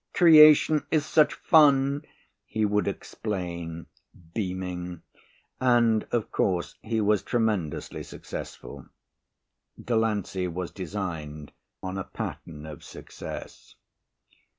"Creation is such fun," he would explain, beaming. And, of course, he was tremendously successful. Delancey was designed on a pattern of success.